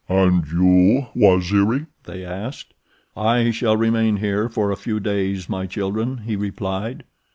"And you, Waziri?" they asked. "I shall remain here for a few days, my children," he replied.